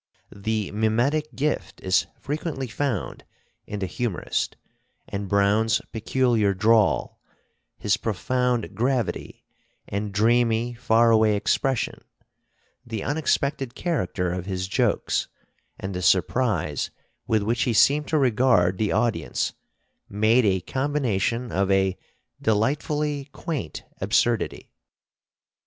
The mimetic gift is frequently found in the humorist; and Browne's peculiar drawl, his profound gravity and dreamy, far away expression, the unexpected character of his jokes and the surprise with which he seemed to regard the audience, made a combination of a delightfully quaint absurdity.